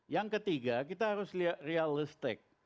yang ketiga kita harus realistic